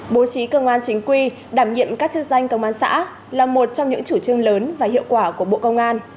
bố trí công an chính quy đảm nhiệm các chức danh công an xã là một trong những chủ trương lớn và hiệu quả của bộ công an